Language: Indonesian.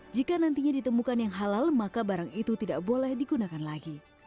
jika nantinya ditemukan yang halal maka barang itu tidak boleh digunakan lagi